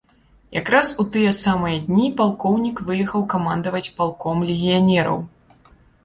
Якраз у тыя самыя дні палкоўнік выехаў камандаваць палком легіянераў.